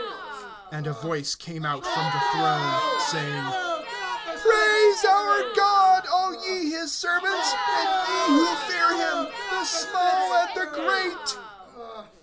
(5)And a voice came out from the throne, saying: Praise our God, all ye his servants, and ye who fear him, the small and the great.